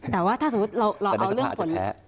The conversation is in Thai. แต่ว่าถ้าสมมุติเราเอาเรื่องผล